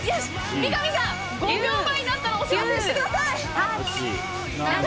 三上さん、５秒前になったらお知らせしてください。